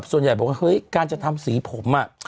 ส่วนใหญ่บอกว่าเฮ้ยการจะทำสีผม